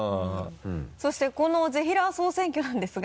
そしてこのぜひらー総選挙なんですが。